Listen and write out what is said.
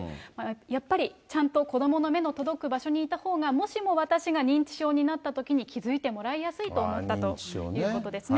やっぱりちゃんと、子どもの目の届く場所にいたほうが、もしも私が認知症になったときに、気付いてもらいやすいと思ったということですね。